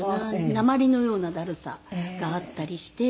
鉛のようなだるさがあったりして。